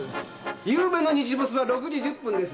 ゆうべの日没は６時１０分です。